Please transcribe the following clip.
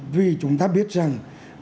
vì chúng ta biết rằng